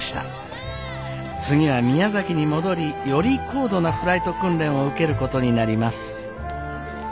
次は宮崎に戻りより高度なフライト訓練を受けることになります。